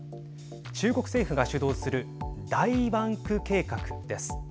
中国政府が主導する大湾区計画です。